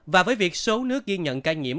và với việc số nước ghi nhận ca nhiễm